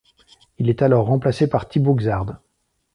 Il est alors remplacé par Thibaut Xhaard.